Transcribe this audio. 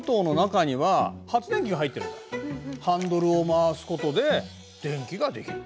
ハンドルを回すことで電気が出来る。